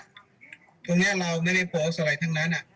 เขาก็ไม่ได้โพสอะไรทั้งนั้น